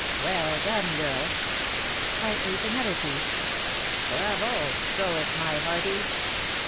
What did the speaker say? "Well done, girl!" "I ate another piece " "Bravo! go it, my hearties!"